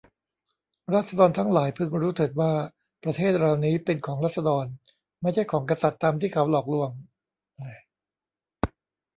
ราษฎรทั้งหลายพึงรู้เถิดว่า ประเทศเรานี้เป็นของราษฎร ไม่ใช่ของกษัตริย์ตามที่เขาหลอกลวง